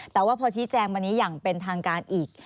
แต่ว่าพอชี้แจงวันนี้อย่างเป็นทางการอีก